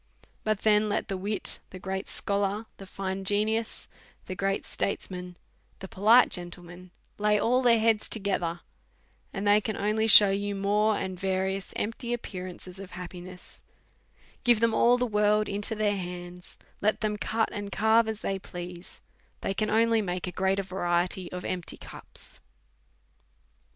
But then, let the wit, the great scholar, the fine genius, the great statesman, the polite gentleman, lay all their heads together, and they can only shew you more and various empty appearances of happiness ; give them all the world into their hands, let them cut and carve as they please, they can only make a greater variety of empty cups.